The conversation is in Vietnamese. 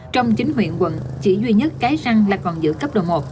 trong chín huyện quận chỉ duy nhất cái răng là còn giữ cấp độ một